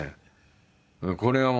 これはもう。